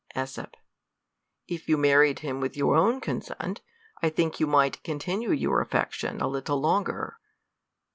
.^s. If you married nim with your own consent, I think you might continue your affection a little longer.